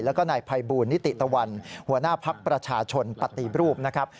แล้วก็นายภัยบูลนิติตะวันหัวหน้าภักดิ์ประชาชนปฏิรูปนะครับ